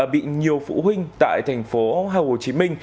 bị nhiều phụ huynh tại thành phố hà hồ chí minh